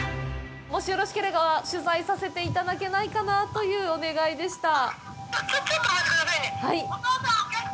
もしよろしければ取材させていただけないかなあというお願いでした。